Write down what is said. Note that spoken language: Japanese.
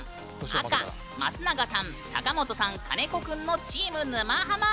赤、松永さん高本さん、金子君のチーム沼ハマ！